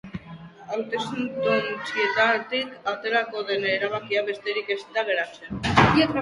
Hautestontzietatik aterako den erabakia besterik ez da geratzen.